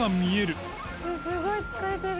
すごい疲れてる。